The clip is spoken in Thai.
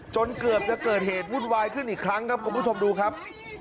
เกือบจะเกิดเหตุวุ่นวายขึ้นอีกครั้งครับคุณผู้ชมดูครับ